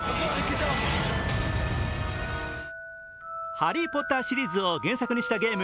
「ハリー・ポッター」シリーズを原作にしたゲーム、